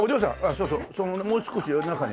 そうそうもう少し中に。